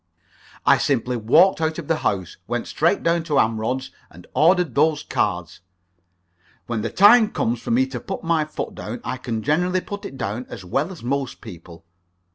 I simply walked out of the house, went straight down to Amrod's, and ordered those cards. When the time comes for me to put my foot down, I can generally put it down as well as most people.